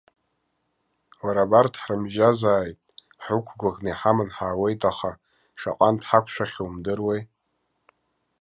Уара абарҭ ҳрымжьазааит, ҳрықәгәыӷны иҳаман ҳаауеит аха, шаҟантә иҳахьхьоу умдыруеи.